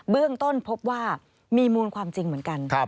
เรื่องต้นพบว่ามีมูลความจริงเหมือนกัน